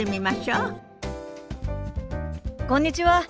こんにちは。